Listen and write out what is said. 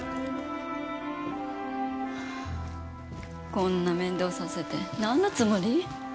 こんな面倒させて何のつもり？